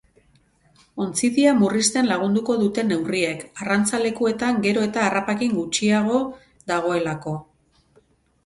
Ontzidia murrizten lagunduko dute neurriek, arrantzalekuetan gero eta harrapakin gutxiago dagoelako.